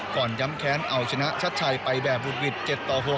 ก่อนย้ำแค้นเอาชนะชัดชัยไปแบบบุดหวิด๗ต่อ๖